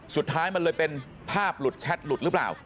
สุดท้ายมันเลยเป็นภาพหลุดแชทหลุดหรือเปล่า